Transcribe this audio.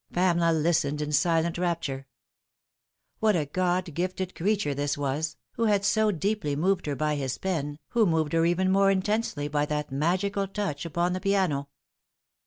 Pamela listened in silent rapture. What a God gifted crea ture this was, who had so deeply moved her by his pen, who moved her even more intensely by that magical touch upon the piano!